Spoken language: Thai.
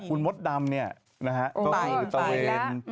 แต่คุณมดดำเนี่ยนะฮะก็อยู่ตลอดเวน